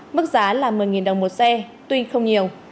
mức giá là một mươi đồng một xe tuy không nhiều